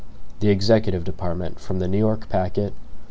67 The Executive Department From the New York Packet.